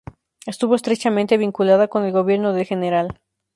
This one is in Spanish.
Estuvo estrechamente vinculada con el gobierno del Gral.